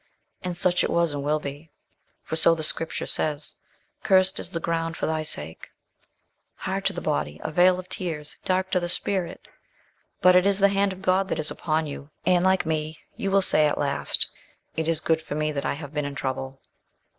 and such it was and will be. For so the Scripture says "Cursed is the ground for thy sake" hard to the body a vale of tears dark to the spirit. But it is the hand of God that is upon you, and, like me, you will say at last, "It is good for me that I have been in trouble."